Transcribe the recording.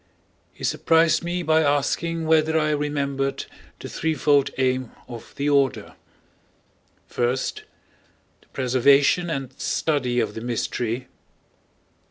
He surprised me by asking whether I remembered the threefold aim of the order: (1) The preservation and study of the mystery.